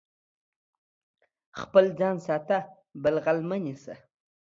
خپل ځان ساته، بل غل مه نيسه.